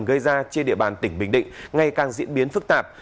gây ra trên địa bàn tỉnh bình định ngày càng diễn biến phức tạp